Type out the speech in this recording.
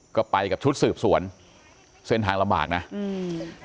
ก็ไปกับชุดสืบสวนเส้นทางลำบากนะอืม